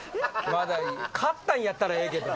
買ったんやったらええけど。